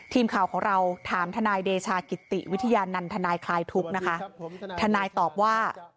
ทีมข่าวของเราถามทนายเดชากิติวิทยานันทนายคลายทุกข์นะคะทนายตอบว่า